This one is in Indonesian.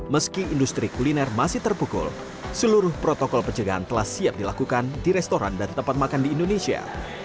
meski industri kuliner masih terpukul seluruh protokol pencegahan telah siap dilakukan di restoran dan tempat makan di indonesia